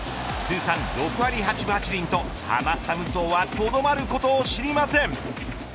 通算６割８分８厘とハマスタ無双はとどまることを知りません。